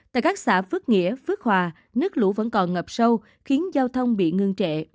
tại các xã phước nghĩa phước hòa nước lũ vẫn còn ngập sâu khiến giao thông bị ngưng trệ